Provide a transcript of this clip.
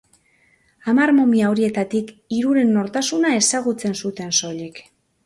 Hamar momia horietatik hiruren nortasuna ezagutzen zuten soilik.